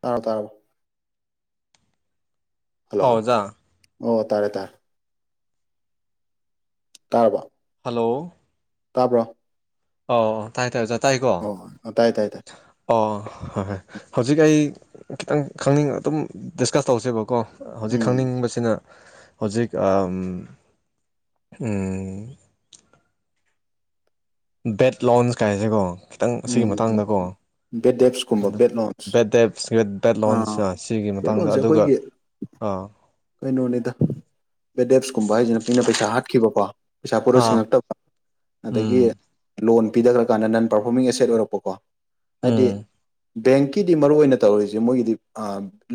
ꯇꯥꯥꯎ ꯇꯥꯕ ꯍꯥ ꯑ‌ꯣꯖꯥ ꯑꯣ ꯇꯥꯔꯦ ꯇꯥꯔꯦ ꯇꯥꯔꯕ ꯍꯂꯣ ꯇꯥꯕ꯭ꯔꯣ ꯑꯣ ꯇꯥꯏ ꯇꯥꯏ ꯑꯣꯖꯥ ꯇꯥꯏꯀꯣ ꯑꯣ ꯇꯥꯏ ꯇꯥꯏ ꯇꯥꯏ ꯑꯣ ꯍꯣꯏ ꯍꯣꯏ ꯍꯧꯖꯤꯛ ꯑꯩ ꯈꯤꯇꯪ ꯈꯪꯅꯤꯡ ꯑꯗꯨꯝ ꯗꯤꯁꯀꯁ ꯇꯧꯁꯦꯕꯀꯣ ꯍꯧꯖꯤꯛ ꯎꯝ ꯈꯪꯅꯤꯡꯕꯁꯤꯅ ꯍꯧꯖꯤꯛ ꯕꯦꯠ ꯂꯣꯟꯁ ꯀꯥꯏꯁꯦꯀꯣ ꯈꯤꯇꯪ ꯑꯁꯤꯒꯤ ꯎꯝ ꯃꯇꯥꯡꯗꯀꯣ ꯕꯦꯠ ꯑ ꯗꯦꯞꯁꯀꯨꯝꯕ ꯕꯦꯠ ꯂꯣꯟꯁ ꯕꯦ ꯗ ꯕꯦꯠ ꯂꯣꯟꯁ ꯑꯥ ꯁꯤꯒꯤ ꯕꯦꯠ ꯃꯇꯥꯡꯗ ꯂꯣꯟꯁꯦ ꯑꯗꯨꯒ ꯑꯩꯈꯣꯏꯒꯤ ꯑꯥ ꯀꯩꯅꯣꯅꯤꯗ ꯕꯦꯗꯦꯞꯁꯀꯨꯝꯕ ꯍꯥꯏꯁꯤꯅ ꯃꯤꯅ ꯄꯩꯁꯥ ꯍꯥꯠꯈꯤꯕꯀꯣ ꯄꯩꯁꯥ ꯄꯨꯔ ꯑꯥ ꯁꯤꯡꯉꯛꯇꯕ ꯑꯗꯒꯤ ꯎꯝ ꯂꯣꯟ ꯄꯤꯊꯈ꯭ꯔꯀꯥꯟꯗ ꯅꯟ ꯄꯔꯐꯣꯔꯃꯤꯡ ꯑꯦꯁꯦꯠ ꯑꯣꯏꯔꯛꯄꯀꯣ ꯍꯥꯏꯗꯤ ꯎꯝ ꯕꯦꯡꯀꯤꯗꯤ ꯃꯔꯨꯑꯣꯏ ꯑꯣꯏꯅ ꯇꯧꯔꯤꯁꯤꯦ ꯃꯣꯏꯒꯤꯗꯤ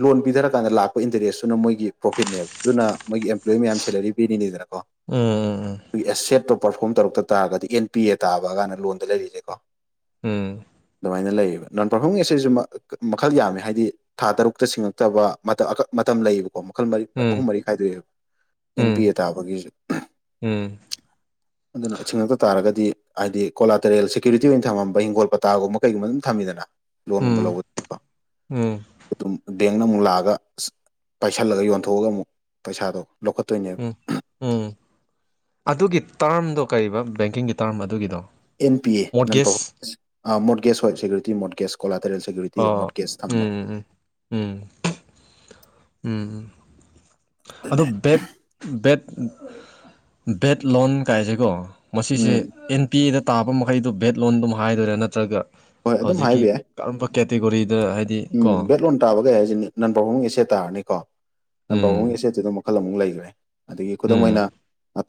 ꯂꯣꯟ ꯄꯤꯊꯔꯀꯥꯟꯗ ꯂꯥꯛꯄ ꯏꯟꯇꯔꯦꯁꯇꯨꯅ ꯃꯣꯏꯒꯤ ꯄ꯭ꯔꯣꯐꯤꯠꯅꯦꯕ ꯑꯗꯨꯅ ꯃꯣꯏꯒꯤ ꯑꯦꯝꯄ꯭ꯂꯣꯌꯤ ꯃꯌꯥꯝ ꯁꯦꯂꯔꯤ ꯎꯝ ꯄꯤꯔꯤꯅꯤꯗꯅꯀꯣꯒꯤ ꯑꯦꯁꯦꯠ ꯄꯔꯐꯣꯝ ꯇꯧꯔꯛꯇ ꯇꯥꯔꯒꯗꯤ ꯑꯦꯟ ꯄꯤ ꯑꯦ ꯇꯥꯕ ꯀꯥꯟꯗ ꯂꯣꯟꯗ ꯂꯩꯔꯤꯁꯦ ꯀꯣ ꯎꯝ ꯑꯗꯨꯃꯥꯏꯅ ꯂꯩꯌꯦꯕ ꯅꯣꯟ ꯄꯔꯐꯣꯔꯃꯦꯡꯁ ꯑꯁꯤꯁꯨ ꯃꯈꯜ ꯌꯥꯝꯃꯦ ꯍꯥꯏꯗꯤ ꯊꯥ ꯇꯔꯨꯛꯇ ꯁꯤꯡꯉꯛꯇꯕ ꯃꯇꯝ ꯂꯩꯕ ꯃꯈꯜ ꯃꯔꯤ ꯎꯝ ꯑꯍꯨꯝ ꯃꯔꯤ ꯈꯥꯏꯗꯣꯛꯑꯦꯕ ꯑꯦꯟ ꯎꯝ ꯄꯤ ꯑꯦ ꯇꯥꯕꯒꯤꯁꯦ ꯎꯝ ꯑꯗꯨꯅ ꯑ ꯑꯁꯤꯤꯡꯉꯛꯇ ꯇꯥꯔꯒꯗꯤ ꯍꯥꯏꯗꯤ ꯀꯣꯂꯥ ꯇꯔꯦꯜ ꯁꯦꯀ꯭ꯌꯨꯔꯤꯇꯤ ꯑꯣꯏꯅ ꯊꯝꯃꯝꯕ ꯍꯤꯡꯣꯜꯥꯇꯥꯒꯨꯝꯕ ꯀꯩꯒꯨꯝꯕ ꯑꯗꯨꯝ ꯊꯝꯃꯤꯗꯅ ꯂꯣꯟꯒꯨꯝꯕ ꯂꯧꯕꯅꯤꯀꯣ ꯎꯝ ꯎꯝ ꯑꯗꯨꯝ ꯕꯦꯡꯅ ꯑꯃꯨꯛ ꯂꯥꯛꯑꯒ ꯑꯁ ꯄꯥꯏꯁꯤꯜꯂꯒ ꯌꯣꯟꯊꯣꯛꯑꯒ ꯑꯃꯨꯛ ꯄꯩꯁꯥꯗꯣ ꯂꯧꯈꯠꯇꯣꯏꯅꯦꯕ ꯎꯝ ꯎꯝ ꯑꯗꯨꯒꯤ ꯇꯔꯝꯗꯣ ꯀꯔꯤꯕ ꯕꯦꯡꯀꯤꯡꯒꯤ ꯇꯥꯔꯝ ꯑꯗꯨꯒꯤꯗꯣ ꯑꯦꯟ ꯄꯤ ꯑꯦ ꯅꯟ ꯃꯣꯔꯠꯒꯦꯖ ꯄꯔꯐꯣꯁ ꯑꯥ ꯃꯣꯠꯒꯦꯁ ꯍꯣꯏ ꯁꯦꯀꯨꯔꯤꯇꯤ ꯃꯣꯠꯒꯦꯁ ꯀꯣꯂꯥꯇꯔꯦꯜ ꯁꯦꯀꯨꯔꯤꯇꯤꯗ ꯑꯣ ꯃꯣꯠꯀꯦꯁ ꯊꯝꯕ ꯎꯝ ꯎꯝ ꯎꯝ ꯑꯗꯣ ꯑꯗꯨꯅꯦ ꯕꯦꯠ ꯕꯦꯠ ꯕꯦꯠ ꯂꯣꯟ ꯀꯥꯏꯁꯦꯀꯣ ꯃꯁꯤꯁꯦ ꯎꯝ ꯑꯦꯟ ꯄꯤ ꯑꯦꯗ ꯇꯥꯕ ꯃꯈꯩꯗꯨ ꯚꯦꯠ ꯂꯣꯟ ꯑꯗꯨꯝ ꯍꯥꯏꯗꯣꯏꯔ ꯅꯠꯇ꯭ꯔꯒ ꯍꯣꯏ ꯑꯗꯨꯝ ꯍꯧꯖꯤꯛꯀꯤ ꯍꯥꯏꯕ ꯌꯥꯏ ꯀꯔꯝꯕ ꯀꯦꯇꯦꯒꯣꯔꯤ ꯎꯝ ꯕꯦꯠ ꯂꯣꯟ ꯇꯥꯕ ꯒꯥꯏ ꯍꯥꯏꯖꯤ ꯅꯟ ꯄꯐꯣꯉꯣꯡ ꯒꯤ ꯑꯦꯁꯦꯠ ꯇꯥꯔꯅꯤꯀꯣ ꯅꯟ ꯄꯐꯉꯣꯡꯒꯤ ꯎꯝ ꯑꯦꯁꯦꯠꯇꯨꯗ ꯃꯨꯛ ꯃꯈꯜ ꯑꯃꯨꯛ ꯂꯩꯒ꯭ꯔꯦ ꯑꯗꯒꯤ ꯈꯨꯗꯝ ꯎꯝ ꯑꯣꯏꯅ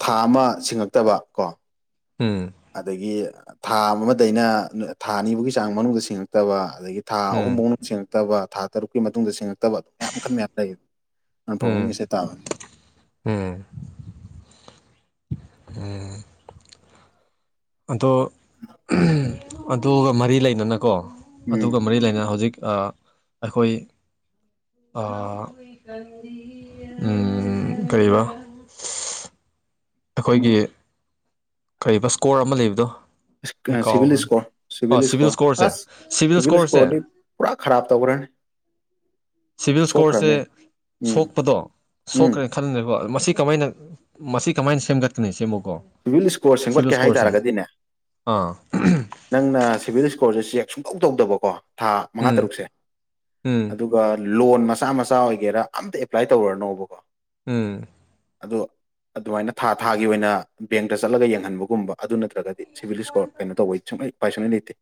ꯊꯥ ꯑꯃ ꯁꯤꯡꯉꯛꯇꯕ ꯀꯣ ꯎꯝ ꯑꯗꯒꯤ ꯊꯥ ꯑꯃꯗꯩꯅ ꯊꯥ ꯅꯤꯕꯨꯒꯤ ꯆꯥꯡ ꯃꯅꯨꯡꯗ ꯁꯤꯡꯉꯛꯇꯕ ꯑꯗꯒꯤ ꯊꯥ ꯎꯝ ꯑꯍꯨꯝꯕꯧꯅ ꯕ ꯊꯥ ꯇꯔꯨꯛꯀꯤ ꯃꯇꯨꯡꯗ ꯁꯤꯡꯉꯛ ꯇꯕ ꯃꯌꯥꯝ ꯃꯈꯜ ꯃꯌꯥꯝ ꯂꯩꯌꯦ ꯎꯝ ꯑꯄ꯭ꯔꯣꯕꯣꯡꯒꯤꯁꯦꯠ ꯇꯥꯕ [inaudible] ꯎꯝ ꯎꯝ ꯑꯗꯣ ꯑꯗꯨꯒ ꯃꯔꯤ ꯂꯩꯅꯅꯀꯣ ꯎꯝ ꯑꯗꯨꯒ ꯃꯔꯤ ꯂꯩꯅꯅ ꯍꯧꯖꯤꯛ ꯑ ꯑꯩꯈꯣꯏ ꯑꯥ ꯎꯝ ꯀꯔꯤꯕ ꯑꯩꯈꯣꯏꯒꯤ ꯀꯔꯤꯕ ꯏꯁꯀꯣꯔ ꯑꯃ ꯂꯩꯕꯗꯣ ꯑꯩ ꯁꯤꯚꯤꯜ ꯀꯥꯎꯈ꯭ꯔꯦ ꯏꯁꯀꯣꯔ ꯁꯤꯚꯤꯜ ꯑꯣ ꯏꯁꯀꯣꯔ ꯏꯁꯀꯣꯔꯁꯦ ꯑꯁ ꯁꯤꯚꯤꯜ ꯏꯁꯀꯣꯔꯁꯦ ꯏꯁꯀꯣꯔꯗꯤ ꯄꯨꯔꯥ ꯈꯔꯥꯞ ꯇꯧꯈ꯭ꯔꯅꯤ [inaudible] ꯁꯤꯚꯤꯜ ꯏꯁꯀꯣꯔꯁꯦ ꯁꯣꯛꯈ꯭ꯔꯅꯤ ꯎꯝ ꯁꯣꯛꯄꯗꯣ ꯎꯝ ꯁꯣꯛꯈ꯭ꯔꯦ ꯈꯟꯒ꯭ꯔꯦꯀꯣ ꯃꯁꯤ ꯀꯃꯥꯏꯅ ꯃꯁꯤ ꯀꯃꯥꯏꯅ ꯁꯦꯝꯒꯠꯀꯅꯤ ꯁꯤꯃꯨꯛ ꯁꯤꯚꯤꯜ ꯏꯁꯀꯣꯔ ꯁꯦꯝꯒꯠꯀꯦ ꯍꯥꯏ ꯇꯥꯔꯒꯗꯤꯅꯦ ꯑꯥ ꯅꯪꯅ ꯁꯤꯚꯤꯜ ꯏꯁꯀꯣꯔꯁꯦ ꯆꯦꯛ ꯁꯨꯡꯇꯧ ꯇꯧꯗꯕꯀꯣ ꯊꯥ ꯃꯉꯥ ꯎꯝ ꯇꯔꯨꯛꯁꯦ ꯎꯝ ꯑꯗꯨꯒ ꯂꯣꯟ ꯃꯆꯥ ꯃꯆꯥ ꯑꯣꯏꯒꯦꯔꯥ ꯑꯝꯇ ꯑꯦꯄ꯭ꯂꯥꯏ ꯇꯧꯔꯅꯣꯕꯀꯣ ꯎꯝ ꯑꯗꯣ ꯑꯗꯨꯃꯥꯏꯅ ꯊꯥ ꯊꯥꯒꯤ ꯑꯣꯏꯅ ꯕꯦꯡꯇ ꯆꯠꯂꯒ ꯌꯦꯡꯍꯟꯕꯒꯨꯝꯕ ꯑꯗꯨ ꯅꯠꯇ꯭ꯔꯒꯗꯤ ꯁꯤꯚꯤꯜ ꯏꯁꯀꯣꯔ ꯀꯩꯅꯣ ꯇꯧꯕꯩ ꯁꯨꯡꯂꯩ ꯎꯄꯥꯏ ꯁꯨꯡꯂꯩ ꯂꯩꯇꯦ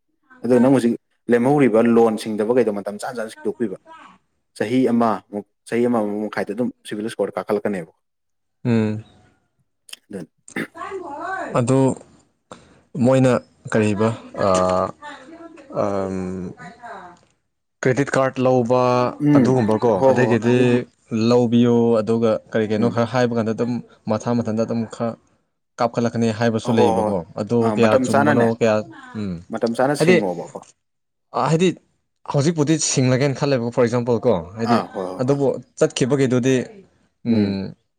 ꯑꯗꯨ ꯅꯪ ꯍꯨꯖꯤꯛ ꯂꯦꯝꯍꯧꯔꯤꯕ ꯂꯣꯟꯁꯤꯡꯗꯕꯒꯩꯗꯣ ꯃꯇꯝ ꯆꯥꯟ ꯆꯥꯅ ꯁꯤꯡꯗꯣꯛꯄꯤꯕ ꯆꯍꯤ ꯍꯤ ꯑꯃ ꯃꯨꯛ ꯆꯍꯤ ꯑꯃꯃꯨꯛ ꯃꯈꯥꯏꯗ ꯑꯗꯨꯝ ꯁꯤꯚꯤꯜ ꯏꯁꯀꯣꯔꯗꯣ ꯀꯥꯈꯠꯂꯛꯀꯅꯦꯕ ꯎꯝ ꯑꯗꯨꯅꯤ ꯑꯗꯨ ꯃꯣꯏꯅ ꯀꯔꯤꯕ ꯑꯥ ꯑꯝ ꯀ꯭ꯔꯦꯗꯤꯠ ꯀꯥꯔꯠ ꯂꯧ ꯕ ꯎꯝ ꯑꯗꯨꯒꯨꯝꯕꯀꯣ ꯍꯣꯏ ꯍꯣꯏ ꯑꯗꯩꯒꯤꯗꯤ ꯑꯗꯨꯒꯤ ꯂꯧꯕꯤꯌꯣ ꯑꯗꯨꯒ ꯀꯔꯤꯒꯤꯅꯣ ꯎꯝ ꯈꯔ ꯍꯥꯏꯕ ꯀꯥꯟꯗ ꯑꯗꯨꯝ ꯃꯊꯥ ꯃꯊꯟꯇ ꯑꯗꯨꯝ ꯈꯔ ꯀꯥꯞꯈꯠꯂꯛꯀꯅꯤ ꯍꯥꯏꯕꯁꯨ ꯍꯣꯏ ꯍꯣꯏ ꯍꯣꯏ ꯂꯩꯌꯦꯕꯀꯣ ꯑꯗꯣ ꯑꯥ ꯀꯌꯥ ꯃꯇꯝ ꯆꯥꯅꯅꯦ ꯆꯨꯝꯕꯅꯣ ꯀꯌꯥ ꯎꯝ ꯃꯇꯝ ꯆꯥꯅ ꯍꯥꯏꯗꯤ ꯁꯤꯡꯉꯣꯕꯀꯣ ꯑ ꯍꯥꯏꯗꯤ ꯍꯧꯖꯤꯛꯄꯨꯗꯤ ꯁꯤꯡꯂꯒꯦꯟ ꯈꯜꯂꯦꯕ ꯐꯣꯔ ꯑꯦꯛꯖꯥꯝꯄꯜ ꯀꯣ ꯍꯥꯏꯗꯤ ꯑꯥ ꯍꯣꯏ ꯍꯣꯏ ꯍꯣꯏ ꯑꯗꯨꯕꯨ ꯆꯠꯈꯤꯕꯒꯤꯗꯨꯗꯤ ꯎꯝ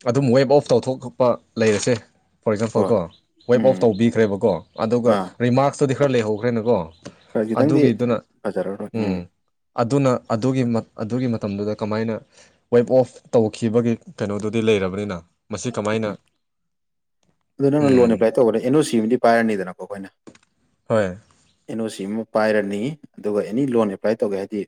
ꯑꯗꯨꯝ ꯋꯦꯞ ꯑꯣꯐ ꯇꯧꯊꯣꯛꯄ ꯂꯩꯔꯁꯦ ꯐꯣꯔ ꯑꯦꯛꯖꯥꯝꯄꯜ ꯍꯣꯏ ꯀꯣ ꯋꯦꯞ ꯎꯝ ꯑꯣꯐ ꯇꯧꯕꯤꯈ꯭ꯔꯦꯕꯀꯣ ꯑꯗꯨꯒ ꯑꯥ ꯔꯤꯃꯥꯛꯁꯇꯨꯗꯤ ꯈꯔ ꯂꯩꯍꯧꯈ꯭ꯔꯦꯅꯀꯣ ꯈꯔ ꯈꯤꯇꯪꯗꯤ ꯑꯗꯨꯒꯤꯗꯨꯅ ꯎꯝ ꯑꯗꯨꯅ ꯑꯗꯨꯒꯤꯃ ꯑꯗꯨꯒꯤ ꯃ ꯃꯇꯝꯗꯨꯗ ꯀꯃꯥꯏꯅ ꯋꯦꯞ ꯑꯣꯐ ꯇꯧꯈꯤꯕꯒꯤ ꯀꯩꯅꯣꯗꯨꯗꯤ ꯂꯩꯔꯕꯅꯤꯅ ꯃꯁꯤ ꯀꯃꯥꯏꯅ [inaudible] ꯑꯗꯨ ꯅꯪꯅ ꯎꯝ ꯂꯣꯟ ꯑꯦꯄ꯭ꯂꯥꯏ ꯇꯧꯕꯗ ꯑꯦꯟ ꯑꯣ ꯁꯤ ꯑꯃꯗꯤ ꯄꯥꯏꯔꯅꯤꯗꯅꯀꯣ ꯑꯩꯈꯣꯏꯅ ꯍꯣꯏ ꯑꯦꯟ ꯑꯣ ꯁꯤ ꯑꯃ ꯄꯥꯏꯔꯅꯤ ꯑꯗꯨꯒ ꯑꯦꯅꯤ ꯂꯣꯟ ꯑꯦꯄ꯭ꯂꯥꯏ ꯇꯧꯒꯦ ꯍꯥꯏꯗꯤ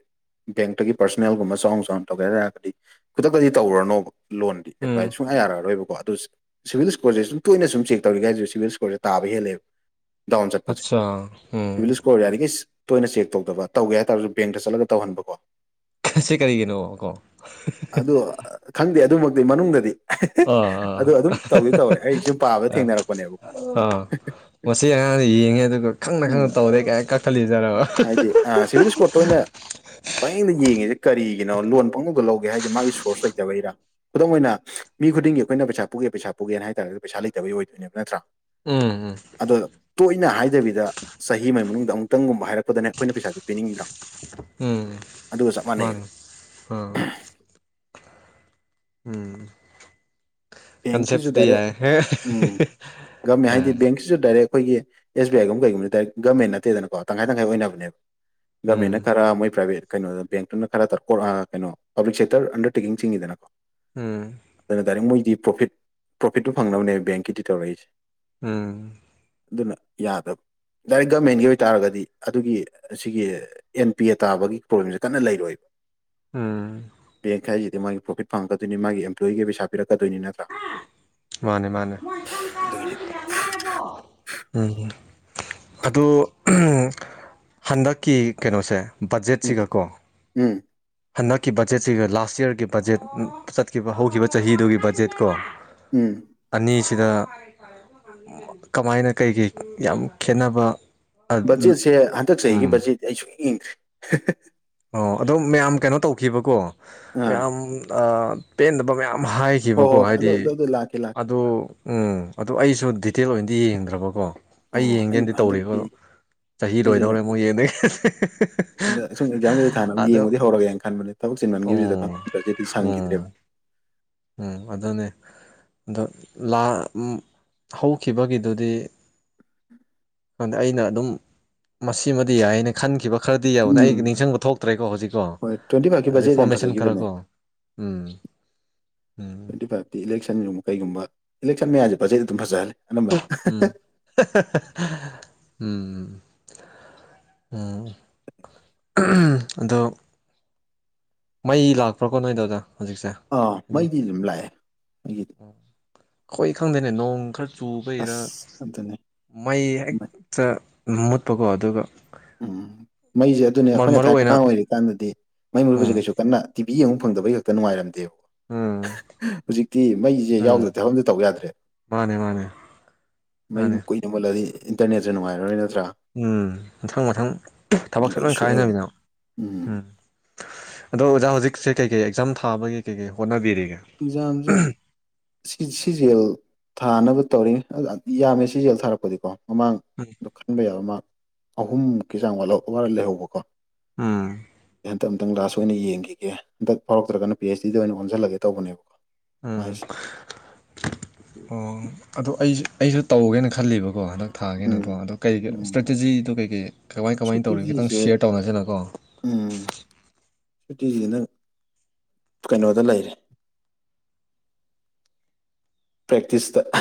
ꯕꯦꯡꯛꯇꯒꯤ ꯄꯔꯁꯣꯅꯦꯜꯒꯨꯝꯕ ꯆꯥꯎꯅ ꯆꯥꯎꯅ ꯇꯧꯒꯦ ꯍꯥꯏꯔꯒꯗꯤ ꯈꯨꯗꯛꯇꯗꯤ ꯇꯧꯔꯨꯔꯅꯣꯕ ꯂꯣꯟꯗꯤ ꯎꯝ ꯑꯦꯄ꯭ꯂꯥꯏ ꯁꯨꯡꯌꯥ ꯌꯥꯔꯛꯑꯔꯣꯏꯕꯀꯣ ꯗꯨꯁ ꯁꯤꯚꯤꯜ ꯏꯁ꯭ꯀꯣꯔꯖꯦ ꯁꯨꯝ ꯇꯣꯏꯅ ꯁꯨꯝ ꯆꯦꯛ ꯇꯧꯔꯤꯒꯦ ꯍꯥꯏꯁꯨ ꯁꯤꯚꯤꯜ ꯏꯁꯀꯣꯔꯁꯦ ꯇꯥꯕ ꯍꯦꯜꯂꯦꯕ ꯗꯥꯎꯟ ꯆꯠꯄꯁꯦ ꯑꯆꯥ ꯎꯝ ꯁꯤꯚꯤꯜ ꯏꯁꯀꯣꯔꯁ ꯌꯔꯤꯗꯒꯩ ꯇꯣꯏꯅ ꯆꯦꯛ ꯇꯧꯗꯕ ꯇꯧꯒꯦ ꯍꯥꯏꯇꯥꯔꯁꯨ ꯕꯦꯡꯇ ꯆꯠꯂꯒ ꯇꯧꯍꯟꯕꯀꯣ ꯁꯤ ꯀꯔꯤꯒꯤꯅꯣ ꯀꯣ ꯑꯗꯣ ꯈꯪꯗꯦ ꯑꯗꯨꯃꯛꯇꯤ ꯃꯅꯨꯡꯗꯗꯤ ꯑ ꯑ ꯑꯗꯨ ꯑꯗꯨꯝ ꯇꯧꯗꯤ ꯇꯧꯔꯦ ꯑꯩ ꯁꯨꯝ ꯄꯥꯕꯗ ꯑꯥ ꯊꯦꯡꯅꯔꯛꯄꯅꯦꯕꯀꯣ ꯑꯥ ꯃꯁꯤ ꯑꯉꯥꯡꯅ ꯌꯦꯡꯉꯦ ꯑꯗꯨꯒ ꯈꯪꯅ ꯎꯝ ꯈꯪꯅ ꯇꯧꯔꯦ ꯀꯥꯏ ꯀꯛꯊꯠꯂꯤꯖꯥꯔꯕ ꯍꯥꯏꯗꯤ ꯑ ꯁꯤꯚꯤꯜ ꯏꯁꯀꯣꯔꯠꯇ ꯑꯣꯏꯅ ꯄꯥꯌꯦꯡꯗ ꯌꯦꯡꯉꯤꯁꯦ ꯀꯔꯤ ꯀꯩꯅꯣ ꯂꯣꯟ ꯄꯪꯉꯒ ꯂꯧꯒꯦ ꯍꯥꯏꯁꯦ ꯃꯥꯒꯤ ꯁꯣꯔꯁ ꯂꯩꯇꯕꯒꯤꯔꯥ ꯈꯨꯗꯝ ꯑꯣꯏꯅ ꯃꯤ ꯈꯨꯗꯤꯡꯒꯤ ꯑꯩꯈꯣꯏꯅ ꯄꯩꯁꯥ ꯄꯨꯒꯦ ꯄꯩꯁꯥ ꯄꯨꯒꯅ ꯍꯥꯏꯥꯔꯗꯤ ꯄꯩꯁꯥ ꯂꯩꯇꯕꯩ ꯑꯣꯏꯗꯣꯏꯅꯦꯕ ꯅꯠꯇ꯭ꯔꯥ ꯎꯝ ꯎꯝ ꯑꯗꯣ ꯇꯣꯏꯅ ꯍꯥꯏꯗꯕꯤꯗ ꯆꯍꯤ ꯑꯃꯒꯤ ꯃꯅꯨꯡꯗ ꯑꯃꯨꯛꯇꯪꯒꯨꯝ ꯍꯥꯏꯔꯛꯄꯗꯅꯦ ꯑꯈꯣꯏꯅ ꯄꯩꯥꯁꯥꯗꯣ ꯄꯤꯅꯤꯡꯗ꯭ꯔꯥ ꯎꯝ ꯃꯥꯅꯦ ꯑꯥ ꯎꯝ ꯕꯦꯡꯀꯤꯁꯨ ꯀꯟꯁꯦꯞꯇꯨꯗꯤ ꯗꯥꯏꯔꯦꯛ ꯌꯥꯏ ꯎꯝ ꯒꯃꯦꯟ ꯍꯥꯏꯗꯤ ꯑꯥ ꯕꯦꯡꯀꯤꯁꯨ ꯗꯥꯏꯔꯦꯛ ꯑꯩꯈꯣꯏꯒꯤ ꯑꯦꯁ ꯕꯤ ꯑꯥꯏꯒꯨꯝꯕ ꯀꯩꯒꯨꯝꯕ ꯍꯥꯏꯇꯥꯔ ꯒꯃꯦꯟ ꯅꯠꯇꯦꯗꯅꯀꯣ ꯇꯪꯈꯥꯏ ꯇꯪꯈꯥꯏ ꯑꯣꯏꯅꯕꯅꯦꯕ ꯒꯃꯦꯟꯅ ꯎꯝ ꯈꯔ ꯃꯣꯏ ꯄ꯭ꯔꯥꯏꯚꯦꯠ ꯀꯩꯅꯣꯗ ꯕꯦꯡꯇꯨꯅ ꯈꯔ ꯀꯩꯅꯣ ꯄꯥꯕ꯭ꯂꯤꯛ ꯁꯦꯛꯇꯔ ꯑꯟꯗꯔꯇꯦꯛꯀꯤꯡ ꯆꯤꯡꯉꯤꯗꯅꯀꯣ ꯎꯝ ꯑꯗꯨꯅ ꯗꯥꯏꯔꯦꯛ ꯃꯣꯏꯗꯤ ꯄ꯭ꯔꯣꯐꯤꯠ ꯄ꯭ꯔꯣꯐꯤꯠꯇꯨ ꯐꯪꯅꯕꯅꯦꯕ ꯕꯦꯡꯀꯤꯗꯤ ꯇꯧꯔꯛꯏꯁꯦ ꯎꯝ ꯑꯗꯨꯅ ꯌꯥꯗꯕ ꯗꯥꯏꯔꯦꯛ ꯒꯥꯃꯦꯟꯒꯤ ꯑꯣꯏꯇꯥꯥꯔꯒꯗꯤ ꯑꯗꯨꯒꯤ ꯑꯁꯤꯒꯤ ꯑꯦꯟ ꯄꯤ ꯑꯦ ꯇꯥꯕꯒꯤ ꯄ꯭ꯔꯣꯕ꯭ꯂꯦꯝꯁꯦ ꯀꯟꯅ ꯂꯩꯔꯣꯏꯕ ꯎꯝ ꯕꯦꯡ ꯍꯥꯏꯁꯤꯗꯤ ꯃꯥꯒꯤ ꯄ꯭ꯔꯣꯐꯤꯠ ꯐꯪꯉꯛꯀꯥꯗꯣꯏꯅꯤ ꯃꯥꯒꯤ ꯑꯦꯝꯄ꯭ꯂꯣꯌꯒꯤ ꯄꯩꯁꯥ ꯄꯤꯔꯛꯀꯗꯣꯏꯅꯤ ꯅꯠꯇ꯭ꯔꯥ ꯃꯥꯅꯦ ꯃꯥꯅꯦ ꯑꯗꯨꯒꯤꯅꯤꯗ ꯎꯝ ꯑꯗꯨ ꯍꯟꯗꯛꯀꯤ ꯀꯩꯅꯣꯁꯦ ꯎꯝ ꯕꯖꯦꯠꯁꯤꯒ ꯀꯣ ꯎꯝ ꯍꯟꯗꯛꯀꯤ ꯕꯖꯦꯠꯁꯤꯒ ꯂꯥꯁ ꯌꯔꯒꯤ ꯕꯖꯦꯠ ꯆꯠꯈꯤꯕ ꯍꯧꯈꯤꯕ ꯆꯍꯤꯗꯨꯒꯤ ꯕꯖꯦꯠꯀꯣ ꯎꯝ ꯑꯅꯤꯁ ꯁꯤꯗ ꯀꯃꯥꯏꯅ ꯀꯩꯀꯩ ꯌꯥꯝ ꯈꯦꯠꯅꯕ ꯕꯖꯦꯠꯁꯦ ꯍꯟꯗꯛ ꯆꯍꯤꯒꯤ ꯎꯝ ꯕꯖꯦꯠ ꯑꯩ ꯁꯨꯉꯦꯡ ꯉꯦꯡꯗ꯭ꯔꯤ ꯑꯣ ꯑꯗꯣ ꯃꯌꯥꯝ ꯀꯩꯅꯣ ꯇꯧꯈꯤꯕꯀꯣ ꯑꯥ ꯃꯌꯥꯝ ꯄꯦꯟꯗꯕ ꯃꯌꯥꯝ ꯍꯣꯏ ꯍꯥꯏꯈꯤꯕꯀꯣ ꯍꯣꯏ ꯑꯗꯨ ꯍꯥꯏꯗꯤ ꯑꯗꯨ ꯑꯗꯨ ꯂꯥꯛꯀꯦ ꯑ ꯂꯥꯛꯀꯦ ꯎꯝ ꯑꯗꯨ ꯑꯩꯁꯨ ꯗꯤꯇꯦꯜ ꯑꯣꯏꯅꯗꯤ ꯌꯦꯡꯗ꯭ꯔꯕꯀꯣ ꯑꯩ ꯑꯣ ꯌꯦꯡꯒꯦꯅꯗꯤ ꯇꯧꯔꯤꯀ ꯍꯟꯗꯛꯀꯤ ꯑꯗꯣ ꯆꯍꯤ ꯑꯩꯁꯨꯅꯦ ꯂꯣꯏꯗꯧꯔꯦ ꯃꯣꯏ ꯅꯗꯥꯒꯤ ꯍꯟꯗꯛ ꯁꯨꯝ ꯑꯦꯛꯖꯥꯝ ꯀꯩ ꯊꯥꯟꯅꯕ ꯌꯦꯡꯕꯗꯤ ꯍꯧꯔꯒꯦꯅ ꯈꯟꯕꯅꯦ ꯊꯕꯛ ꯆꯤꯟꯃꯟꯈꯤꯕꯁꯤꯗ ꯎꯝ ꯈꯟꯕ ꯎꯝ ꯁꯪꯈꯤꯗ꯭ꯔꯦꯕ ꯎꯝ ꯑꯗꯨꯅꯦ ꯑꯗꯣ ꯂꯥꯟ ꯍꯧꯈꯤꯕꯒꯤꯗꯨꯗꯤ ꯗ ꯑꯩꯅ ꯑꯗꯨꯝ ꯃꯁꯤꯃꯗꯤ ꯌꯥꯏꯅ ꯈꯟꯈꯤꯕ ꯈꯔꯗꯤ ꯌꯥꯕꯅꯦ ꯑꯩ ꯎꯝ ꯅꯤꯡꯁꯤꯡꯕ ꯊꯣꯛꯇ꯭ꯔꯦꯀꯣ ꯍꯧꯖꯤꯛꯀꯣ ꯍꯣꯏ ꯇ꯭ꯋꯦꯟꯇꯤ ꯐꯥꯏꯚꯀꯤ ꯕꯖꯦꯠ ꯌꯥꯝ ꯔꯤꯐꯣꯔꯃꯦꯁꯟ ꯈꯔꯀꯣ ꯎꯝ ꯎꯝ ꯇꯣꯟꯇꯤ ꯐꯥꯏꯚꯇꯤ ꯏꯂꯦꯛꯁꯟꯒꯨꯝꯕ ꯀꯩꯒꯨꯝꯕ ꯏꯂꯦꯛꯁꯟ ꯃꯌꯥꯁꯦ ꯕꯖꯦꯠ ꯑꯗꯨꯝ ꯐꯖꯍꯜꯂꯦ ꯑꯅꯝꯕꯅ ꯎꯝ ꯎꯝ ꯎꯝ ꯑꯗꯣ ꯃꯩ ꯂꯥꯛꯄ꯭ꯔꯥꯀꯣ ꯅꯣꯏ ꯑꯗꯣꯗ ꯑꯥ ꯃꯩꯗꯤ ꯑꯗꯨꯝ ꯂꯥꯛꯑꯦ ꯑꯩꯒꯤꯗꯤ ꯑꯩꯈꯣꯏ ꯈꯪꯗꯦꯅꯦ ꯅꯣꯡ ꯈꯔ ꯆꯨꯕꯩꯔ ꯑꯁ ꯑꯗꯨꯅꯦ ꯃꯩ ꯍꯦꯛꯇ ꯃꯨꯠꯄꯀꯣ ꯑꯗꯨꯒ ꯎꯝ ꯃꯩꯁꯦ ꯑꯗꯨꯅꯦ ꯑꯩꯈꯣꯏꯅ ꯃꯔꯨ ꯊꯥꯏꯅ ꯑꯣꯏꯅ ꯑꯉꯥꯡ ꯑꯣꯏꯔꯤꯀꯥꯟꯗꯗꯤ ꯃꯩ ꯃꯨꯕꯁꯦ ꯎꯝ ꯀꯩꯁꯨ ꯀꯟꯅ ꯇꯤꯕꯤ ꯌꯦꯡꯉ ꯐꯪꯗꯩ ꯍꯛꯇ ꯉꯥꯏꯔꯝꯗꯦ ꯎꯝ ꯍꯧꯖꯤꯛꯇꯤ ꯃꯩꯁꯦ ꯎꯝ ꯌꯥꯎꯗ꯭ꯔ ꯊꯕꯛ ꯑꯝꯗ ꯇꯧ ꯌꯥꯗ꯭ꯔꯦ ꯃꯥꯅꯦ ꯃꯥꯅꯦ ꯃꯩ ꯃꯥꯅꯦ ꯀꯨꯏꯅ ꯃꯨꯠꯂꯗꯤ ꯏꯟꯇꯔꯅꯦꯠꯇꯁ ꯅꯨꯡꯉꯥꯏꯔꯔꯣꯏ ꯅꯠꯇ꯭ꯔꯥ ꯎꯝ ꯃꯊꯪ ꯃꯊꯪ ꯊꯕꯛꯁꯦ ꯂꯣꯏ ꯀꯥꯏꯅꯃꯤꯅ ꯎꯝ ꯑꯗꯣ ꯑꯣꯖꯥ ꯍꯧꯖꯤꯛꯁꯦ ꯀꯩ ꯀꯩ ꯑꯦꯛꯖꯥꯝ ꯊꯥꯒꯤꯩ ꯍꯣꯅꯔꯤꯒꯦ ꯌꯥꯝꯝꯁꯦ ꯁꯤꯖꯦꯜ ꯊꯥꯅꯕ ꯇꯧꯔꯤ ꯌꯥꯝꯃꯦ ꯁꯤꯖꯦꯜ ꯊꯥꯔꯛꯄꯗꯤꯀꯣ ꯎꯝ ꯃꯃꯥꯡꯗꯣ ꯈꯟꯕ ꯌꯥꯕ ꯃꯥꯡ ꯑꯍꯨꯝꯨꯛꯀꯤ ꯆꯥꯡꯠ ꯋꯥꯔ ꯂꯩꯍꯧꯕꯀꯣ ꯎꯝ ꯑꯩ ꯍꯟꯇ ꯑꯝꯇꯪ ꯂꯥꯁ ꯑꯣꯏꯅ ꯌꯦꯡꯈꯤꯒꯦ ꯍꯟꯗꯛ ꯐꯥꯎꯔꯛꯇ꯭ꯔꯒꯅ ꯄꯤ ꯑꯩꯆ ꯗꯤꯗ ꯑꯣꯏꯅ ꯑꯣꯟꯁꯤꯜꯂꯒꯦ ꯇꯧꯕꯅꯦꯕꯀꯣ ꯎꯝ ꯃꯥꯏꯁꯦ ꯑꯣ ꯑꯗꯨꯗꯣ ꯑꯩꯁꯨ ꯑꯩꯁꯨ ꯇꯧꯒꯦꯅ ꯈꯜꯂꯤꯕꯀꯣ ꯀꯣ ꯍꯟꯗꯛ ꯊꯥꯒꯦꯅꯀꯣ ꯎꯝ ꯑꯗꯣ ꯀꯩ ꯎꯝ ꯏꯁꯇ꯭ꯔꯦꯇꯦꯖꯤꯗꯣ ꯀꯩ ꯀꯩ ꯀꯃꯥꯏ ꯀꯃꯥꯏ ꯇꯧꯔꯤꯒꯦ ꯈꯤꯇꯪ ꯁꯨꯇꯤꯁꯦ ꯁꯌꯔ ꯇꯧꯅꯁꯤꯅꯀꯣ ꯎꯝ ꯁꯨꯇꯤꯁꯤ ꯅꯪ ꯀꯩꯅꯣꯗ ꯂꯩꯔꯦ ꯄꯦꯛꯇꯇꯤꯁ ꯇ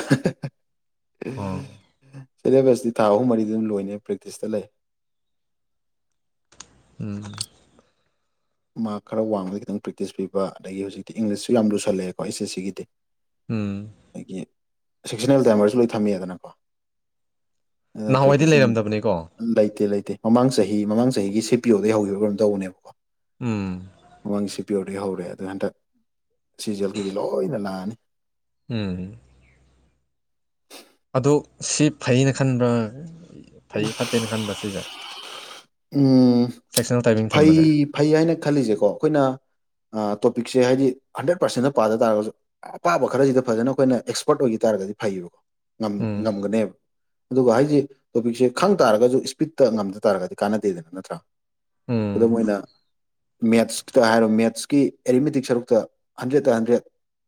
ꯑꯣ ꯁꯤꯂꯦꯕꯁꯇꯤ ꯊꯥ ꯑꯍꯨꯝ ꯃꯔꯤꯗꯨꯅ ꯂꯣꯏꯅꯦ ꯕ꯭ꯔꯤꯛꯇꯤꯁꯇ ꯂꯩ ꯎꯝ ꯃꯥ ꯈꯔ ꯋꯥꯡꯃꯗ ꯈꯤꯇꯪ ꯄ꯭ꯔꯦꯛꯇꯤꯁ ꯄꯤꯕ ꯑꯗꯒꯤ ꯍꯧꯖꯤꯛꯇꯤ ꯏꯪꯂꯤꯁꯁꯨ ꯌꯥꯝ ꯂꯨꯁꯜꯂꯛꯑꯦꯀꯣ ꯑꯩꯁꯦ ꯁꯤꯒꯤꯗꯤ ꯎꯝ ꯑꯩꯗꯒꯤ ꯁꯦꯛꯁꯟꯅꯕꯜ ꯇꯥꯏꯃꯔꯁꯨ ꯂꯣꯏ ꯊꯝꯃꯦꯗꯅꯀꯣ ꯑ ꯅꯍꯥꯟꯋꯥꯏꯗꯤ ꯄꯦꯛꯇꯤꯁ ꯂꯩꯔꯝꯗꯕꯅꯤꯀꯣ ꯂꯩ ꯂꯩꯇꯦ ꯂꯩꯇꯦ ꯃꯃꯥꯡ ꯆꯍꯤ ꯃꯃꯥꯡ ꯆꯍꯤꯒꯤ ꯁꯤ ꯄꯤ ꯑꯣꯗꯩ ꯍꯧꯈꯤꯕ ꯀꯔꯝ ꯇꯧꯕꯅꯦꯕꯀꯣ ꯎꯝ ꯃꯪꯁꯤ ꯄꯤꯣꯔꯤ ꯍꯧꯔꯦ ꯑꯗꯨ ꯍꯟꯗꯛ ꯁꯤꯖꯦꯜ ꯀꯩꯀꯩ ꯂꯣꯏꯅ ꯂꯥꯛꯑꯅꯤ ꯎꯝ ꯑꯣ ꯁꯤ ꯐꯩꯅ ꯈꯟꯕ꯭ꯔꯥ ꯐꯩ ꯐꯠꯇꯦꯅ ꯈꯟꯕ꯭ꯔꯥ ꯁꯤꯁꯦ ꯎꯝ ꯁꯦꯛꯁꯅꯦꯜ ꯇꯥꯏꯃꯤꯡ ꯐꯩ ꯊꯝꯕꯁꯦ ꯐꯩ ꯍꯥꯏꯅ ꯈꯜꯂꯤꯁꯦꯀꯣ ꯑꯩꯈꯣꯏꯅ ꯇꯣꯄꯤꯛꯁꯦ ꯍꯥꯏꯗꯤ ꯍꯟꯗ꯭ꯔꯦꯠ ꯄꯥꯔꯁꯦꯟꯗ ꯄꯥꯗ ꯇꯥꯔꯒꯁꯨ ꯑꯄꯥꯕ ꯈꯔꯁꯤꯗ ꯐꯖꯅ ꯑꯩꯈꯣꯏꯅ ꯑꯦꯛꯁꯄꯔꯠ ꯑꯣꯏꯈꯤ ꯇꯥꯔꯒꯗꯤ ꯐꯩꯌꯦꯕꯀꯣ ꯎꯝ ꯉꯝꯒꯅꯦꯕ ꯑꯗꯨꯒ ꯍꯥꯏꯁꯤ ꯇꯣꯄꯤꯛꯁꯦ ꯈꯪ ꯇꯥꯔꯒꯁꯨ ꯏꯁꯄꯤꯠꯇ ꯉꯝꯗ ꯇꯥꯔꯒꯗꯤ ꯀꯥꯟꯅꯗꯦꯗꯅ ꯅꯠꯇ꯭ꯔꯥ ꯎꯝ ꯈꯨꯗꯝ ꯑꯣꯏꯅ ꯃꯦꯠꯁꯇ ꯍꯥꯏꯔꯣ ꯃꯦꯠꯁꯀꯤ ꯑꯦꯔꯤꯃꯦꯇꯤꯛ ꯁꯔꯨꯛꯇ ꯍꯟꯗ꯭ꯔꯦꯠꯇ ꯍꯟꯗ꯭ꯔꯦꯠ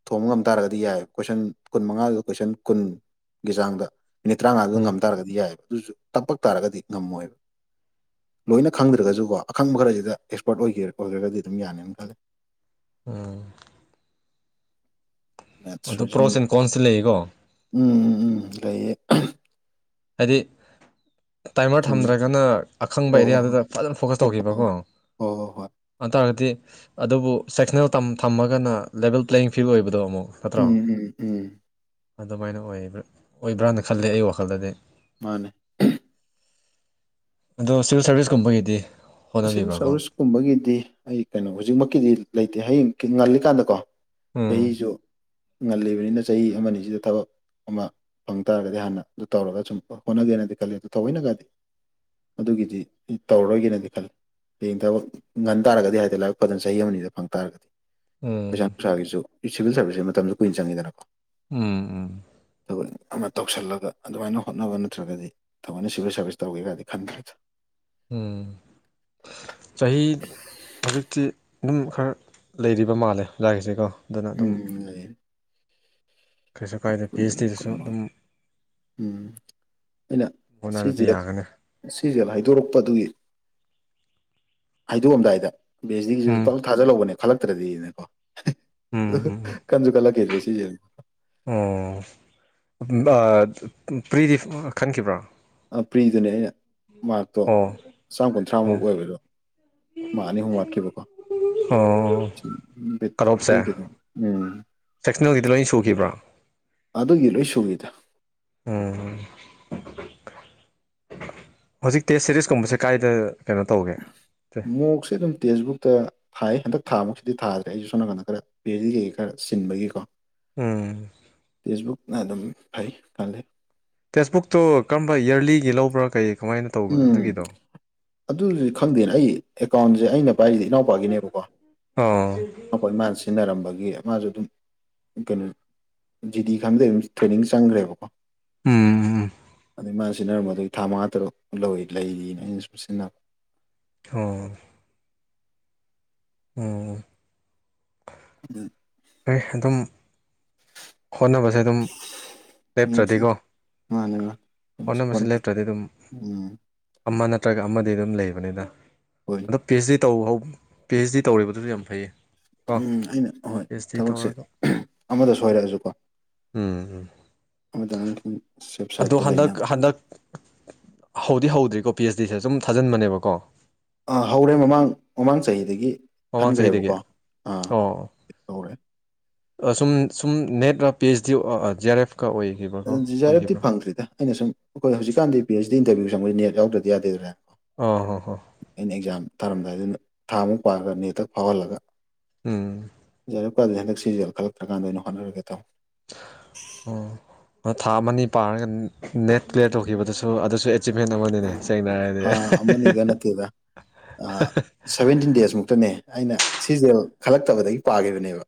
ꯊꯣꯡꯕ ꯉꯝ ꯇꯥꯔꯒꯗꯤ ꯌꯥꯏ ꯀꯣꯏꯁꯟ ꯀꯨꯟ ꯃꯉꯥꯗꯨꯗ ꯀꯣꯏꯁꯟ ꯀꯨꯟꯒꯤ ꯆꯥꯡꯗ ꯃꯤꯅꯤꯠ ꯇꯔꯥꯃꯉꯥꯗꯨꯗ ꯎꯝ ꯉꯝ ꯇꯥꯔꯒꯗꯤ ꯌꯥꯏꯑꯕ ꯑꯗꯨꯁꯨ ꯇꯞꯄꯛ ꯇꯥꯔꯒꯗꯤ ꯉꯝꯃꯣꯏꯕ ꯂꯣꯏꯅ ꯈꯪꯗ꯭ꯔꯒꯁꯨꯀꯣ ꯑꯈꯪꯕ ꯈꯔꯁꯤꯗ ꯑꯦꯛꯁꯄꯔꯠ ꯑꯣꯏꯦ ꯑꯣꯏꯈ꯭ꯔꯒꯗꯤ ꯑꯗꯨꯝ ꯌꯥꯅꯦꯅ ꯈꯜꯂꯤꯦ ꯎꯝ ꯑꯗꯣ ꯃꯔꯤꯖꯅꯤꯡ ꯄ꯭ꯔꯣꯁ ꯑꯦꯟ ꯀꯣꯟꯁꯇꯤ ꯂꯩꯀꯣ ꯎꯝ ꯎ ꯎꯝ ꯂꯩꯌꯦ ꯍꯥꯏꯗꯤ ꯇꯥꯏꯃꯔ ꯆꯨꯝꯃꯤ ꯊꯝꯗ꯭ꯔꯒꯅ ꯑꯈꯪꯕ ꯍꯣ ꯍꯣ ꯑꯦꯔꯤꯌꯥꯗꯨꯗ ꯐꯖꯅ ꯐꯣꯀꯁ ꯍꯣ ꯍꯣ ꯍꯣ ꯇꯧꯈꯤꯕꯀꯣ ꯍꯣ ꯍꯣ ꯍꯣꯏ ꯑꯗꯨ ꯇꯔꯒꯗꯤ ꯑꯗꯨꯕꯨ ꯁꯦꯛꯁꯅꯦꯜ ꯊꯝꯃꯒꯅ ꯂꯦꯕꯦꯜ ꯄ꯭ꯂꯦꯌꯤꯡ ꯐꯤꯜ ꯑꯣꯏꯕꯗꯣ ꯑꯃꯨꯛ ꯅꯠꯇ꯭ꯔꯣ ꯎꯝ ꯎꯝ ꯎꯝ ꯑꯗꯨꯃꯥꯏꯅ ꯑꯣꯏꯕ ꯑꯣꯏꯕ꯭ꯔꯅ ꯈꯜꯂꯦ ꯑꯩ ꯋꯥꯈꯜꯗꯗꯤ ꯃꯥꯅꯦ ꯑꯗꯣ ꯁꯤꯚꯤꯜ ꯁꯥꯔꯚꯤꯁꯀꯨꯝꯕꯒꯤꯗꯤ ꯑꯁꯤ ꯍꯣꯠꯅꯕꯤꯕ꯭ꯔꯥꯀꯣ ꯆꯧꯔꯤꯁꯀꯨꯝꯕꯒꯤꯗꯤ ꯑꯩ ꯀꯩꯅꯣ ꯍꯧꯖꯤꯛꯃꯛꯀꯤꯗꯤ ꯂꯩꯇꯦ ꯍꯌꯦꯡ ꯉꯜꯂꯤꯀꯥꯟꯗ ꯀꯣ ꯎꯝ ꯍꯖꯣ ꯉꯜꯂꯤꯕꯅꯤꯅ ꯆꯍꯤ ꯑꯃꯅꯤ ꯑꯅꯤꯁꯤꯗ ꯊꯕꯛ ꯑꯃ ꯐꯪ ꯇꯥꯔꯒꯗꯤ ꯍꯥꯟꯅ ꯑꯗꯨ ꯇꯧꯔꯒ ꯁꯨꯝ ꯍꯣꯠꯅꯒꯦꯅ ꯑꯗꯨ ꯈꯜꯂꯤ ꯑꯗꯨ ꯊꯧꯑꯣꯏꯅꯒꯗꯤ ꯑꯗꯨꯒꯤꯗꯤ ꯇꯧꯔꯔꯣꯏꯒꯦꯅꯗꯤ ꯈꯜꯂꯤ ꯌꯦꯡꯊꯕ ꯉꯟ ꯇꯥꯔꯒꯗꯤ ꯍꯥꯏꯗꯤ ꯂꯥꯏꯕꯛ ꯐꯖꯅ ꯆꯍꯤ ꯑꯃꯅꯤꯗ ꯐꯪ ꯇꯥꯔꯒꯗꯤ ꯎꯝ ꯄꯩꯁꯥ ꯅꯨꯡꯁꯥꯒꯤꯁꯨ ꯁꯤꯚꯤꯜ ꯁꯥꯔꯚꯤꯁꯁ ꯃꯇꯝꯗ ꯀꯨꯏꯅ ꯆꯪꯉꯤꯗꯅꯀꯣ ꯎꯝꯝ ꯑꯗꯨꯒ ꯑꯃ ꯇꯧꯁꯜꯂꯒ ꯑꯗꯨꯃꯥꯏꯅ ꯍꯣꯠꯅꯕ ꯅꯠꯇ꯭ꯔꯒꯗꯤ ꯊꯃꯣꯏꯅ ꯁꯤꯚꯤꯜ ꯁꯥꯔꯚꯤꯁ ꯇꯧꯒꯦꯒꯗꯤ ꯈꯟꯗ꯭ꯔꯦ ꯎꯝ ꯆꯍꯤ ꯍꯧꯖꯤꯛꯇꯤ ꯑꯗꯨꯝ ꯈꯔ ꯂꯩꯔꯤꯕ ꯃꯥꯜꯂꯦ ꯑꯣꯖꯥꯒꯤꯁꯦꯀꯣ ꯑꯗꯨꯅ ꯑꯗꯨꯝ ꯎꯝ ꯂꯩꯌꯦ ꯀꯩꯁꯨ ꯀꯥꯏꯗ ꯄꯤ ꯍꯩꯁ ꯀꯨꯟꯃꯔꯤ ꯗꯤꯗꯁꯨ ꯀꯨꯟꯃꯉꯥ ꯁꯨꯝ ꯎꯝ ꯑꯩꯅ ꯍꯣꯠꯅꯔꯗꯤ ꯁꯤꯁꯦ ꯌꯥꯒꯅꯤ ꯁꯤꯖꯦꯜ ꯍꯥꯏꯗꯣꯔꯛꯄ ꯑꯗꯨꯒꯤ ꯍꯥꯏꯩꯗꯣꯛꯑꯝꯗꯥꯏꯗ ꯕꯤꯁ ꯗꯤꯒꯤꯁꯤꯁꯨ ꯎꯝ ꯇꯂꯞ ꯊꯥꯖꯜꯍꯧꯕꯅꯦ ꯎꯝ ꯈꯜꯂꯛꯇ꯭ꯔꯗꯤꯅꯦꯀꯣ ꯎꯝ ꯈꯟꯁꯨ ꯈꯜꯂꯛꯈꯤꯗ꯭ꯔꯦ ꯁꯤꯖꯤ ꯑꯣ ꯐ꯭ꯔꯤꯗꯤ ꯈꯟꯈꯤꯕ꯭ꯔꯥ ꯐꯔꯤ ꯗ ꯑꯩꯅꯥ ꯃꯥꯇꯣ ꯑꯣ ꯆꯥꯝꯃ ꯑꯣ ꯀꯨꯟꯊ꯭ꯔꯥꯃꯨꯛ ꯑꯣꯏꯕꯗꯣ ꯃꯥ ꯑꯅꯤ ꯑꯍꯨꯝ ꯋꯥꯠꯈꯤꯕꯀꯣ ꯑꯣ ꯀꯗ ꯎꯝ ꯀꯩꯅꯣꯒꯤꯗꯤ ꯂꯣꯏ ꯁꯨꯈꯤꯕ꯭ꯔꯥ ꯑꯗꯨꯒꯤ ꯂꯣꯏ ꯁꯨꯒꯤꯗꯥ ꯎꯝ ꯍꯧꯖꯤꯛ ꯇꯦꯁ ꯁꯦꯔꯤꯁꯀꯨꯝꯕꯁꯦ ꯀꯥꯏꯗ ꯀꯩꯅꯣ ꯇꯧꯒꯦ ꯃꯣꯛꯁꯦ ꯑꯗꯨꯝ ꯇꯦꯛꯁꯕꯨꯛꯇ ꯊꯥꯏ ꯍꯟꯗꯛ ꯊꯥꯃꯨꯛꯁꯤꯗꯤ ꯊꯥꯗ꯭ꯔꯦ ꯑꯩꯁꯨ ꯁꯣ ꯅꯥꯀꯟꯗ ꯈꯔ ꯄꯦꯔꯤꯈꯩꯒꯤ ꯈꯔ ꯆꯟꯕꯒꯤꯀꯣ ꯎꯝ ꯐꯦꯁꯕꯨꯛꯅ ꯑꯗꯨꯝ ꯐꯩ ꯈꯜꯂꯦ ꯇꯦꯛꯁꯕꯨꯛꯇꯣ ꯀꯔꯝꯕ ꯏꯔꯂꯤꯒꯤ ꯂꯧꯕ꯭ꯔꯥ ꯀꯩ ꯀꯃꯥꯏꯅ ꯇꯧꯕ ꯎꯝ ꯑꯗꯨꯒꯤꯗꯣ ꯑꯗꯨꯗꯤ ꯈꯪꯗꯦ ꯑꯩ ꯑꯦꯀꯥꯎꯟꯁꯦ ꯑꯩꯅ ꯄꯥꯏꯔꯤꯁꯦ ꯏꯅꯥꯎꯄꯥꯒꯤꯅꯦꯕꯀꯣ ꯑꯣ ꯑꯩꯈꯣꯏ ꯃꯥꯅ ꯁꯤꯖꯤꯟꯅꯔꯝꯕꯒꯤ ꯃꯥꯁꯨ ꯑꯗꯨꯝ ꯀꯩꯅꯣ ꯖꯤꯗꯤ ꯈꯪꯗ ꯇ꯭ꯔꯦꯅꯤꯡ ꯆꯪꯈ꯭ꯔꯦꯕꯀꯣ ꯎꯝ ꯑꯩ ꯃꯥꯅ ꯁꯤꯖꯤꯟꯅꯔꯝꯕꯗꯒꯤ ꯊꯥ ꯃꯉꯥ ꯇꯔꯨꯛ ꯂꯩꯔꯤꯅ ꯑꯩꯅꯁꯨ ꯁꯤꯟꯅꯕ ꯍꯣꯡ ꯎ ꯑꯗꯨꯗꯣ ꯍꯣꯏ ꯑꯗꯨꯝ ꯍꯣꯠꯅꯕꯁꯦ ꯑꯗꯨꯝ ꯌꯦꯡꯁꯤ ꯂꯦꯞꯇ꯭ꯔꯗꯤꯀꯣ ꯃꯥꯅꯦ ꯍꯣꯠꯅꯕꯁꯤ ꯃꯥꯅꯦ ꯂꯦꯞꯇ꯭ꯔꯗꯤ ꯑꯗꯨꯝ ꯎꯝ ꯑꯃ ꯅꯠꯇ꯭ꯔꯒ ꯑꯃꯗꯤ ꯑꯗꯨꯝ ꯂꯩꯕꯅꯤꯅ ꯍꯣꯏ ꯑꯗꯣ ꯄꯤꯁ ꯗꯤ ꯇꯧ ꯄꯤ ꯑꯩꯩꯆ ꯗꯤ ꯇꯧꯔꯤꯕꯗꯨꯁꯨ ꯌꯥꯝ ꯐꯩ ꯎꯝ ꯑꯩꯅ ꯑꯍꯣꯏ ꯊꯕꯛꯁꯦ ꯑꯃꯗ ꯁꯣꯏꯔꯛꯑꯁꯨꯀꯣ ꯎꯝ ꯎꯝ ꯃꯗ ꯑꯗꯣ ꯍꯟꯗꯛ ꯍꯟꯗꯛ ꯍꯧꯗꯤ ꯍꯧꯗ꯭ꯔꯤꯕꯥꯀꯣ ꯄꯤ ꯑꯩꯆ ꯗꯤꯁꯦ ꯁꯨꯝ ꯊꯥꯖꯤꯟꯕꯅꯦꯕꯀꯣ ꯍꯧꯔꯦ ꯃꯃꯥꯡ ꯃꯃꯥꯡ ꯆꯍꯤꯗꯒꯤ ꯃꯃꯥꯡ ꯆꯍꯤꯍꯤꯗꯒꯤ ꯈꯟꯈ꯭ꯔꯦꯕꯀꯣ ꯑꯥ ꯑꯣ ꯍꯧꯔꯦ ꯁꯨꯝ ꯁꯨꯝ ꯅꯦꯠ ꯔ P H D J R F ꯖꯔꯞꯇꯤ ꯐꯪꯗ꯭ꯗ ꯑꯩꯅ ꯁꯨꯝ ꯑꯩꯈꯣꯏ ꯍꯧꯖꯤꯛꯥꯟꯗꯤ ꯄꯤ ꯑꯩꯆ ꯏꯟꯇꯔꯚꯤꯌꯨ ꯆꯪꯕꯩ ꯅꯦ ꯌꯥꯎꯗ꯭ꯔꯗꯤꯗꯦꯗ꯭ꯔꯥ ꯑꯥ ꯍ ꯍ ꯊꯥꯔꯝꯗꯥꯏꯗꯨꯅ ꯊꯥꯃꯨꯛ ꯄꯥꯔꯂꯒ ꯅꯦꯠꯇ ꯐꯥꯎꯍꯜꯂꯒ ꯎꯝ ꯆꯔꯛꯄꯗꯤ ꯍꯟꯗꯛ ꯁꯤꯁꯦꯜꯜꯂꯛꯇ꯭ꯔꯀꯥꯟꯗ ꯑꯣꯏꯅ ꯍꯣꯠꯅꯔꯒꯦ ꯇꯧ ꯎ ꯊꯥ ꯑꯃꯅꯤ ꯄꯥꯔꯒ ꯅꯦꯠ ꯀ꯭ꯂꯤꯌꯥꯂꯤꯌꯥꯔ ꯇꯧꯈꯤꯕꯗꯨꯁꯨ ꯑꯗꯨꯁꯨ ꯑꯦ ꯑꯦꯆꯤꯞꯃꯦꯟ ꯑꯃꯅꯤꯅꯦ ꯁꯦꯡꯅꯔꯗꯤ ꯊꯥ ꯑꯃꯅꯤꯒ ꯅꯠꯇꯦꯗ ꯁꯚꯦꯟꯇꯤꯟ ꯗꯦꯖꯃꯨꯛꯇꯅꯦ ꯑꯩꯅ ꯁꯤꯖꯦꯜ ꯈꯜꯂꯛꯇꯕꯗꯒꯤ ꯄꯥꯈꯤꯕꯅꯦꯕ